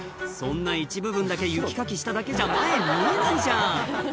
そんな一部分だけ雪かきしただけじゃ前見えないじゃん